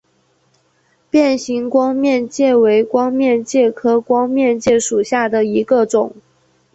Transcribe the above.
变形光面介为光面介科光面介属下的一个种。